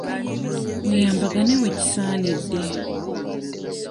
Muyambagane wekisaanidde.